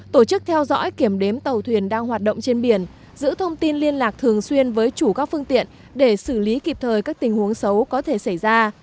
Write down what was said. tổ chức theo dõi kiểm đếm tàu thuyền đang hoạt động trên biển giữ thông tin liên lạc thường xuyên với chủ các phương tiện để xử lý kịp thời các tình huống xấu có thể xảy ra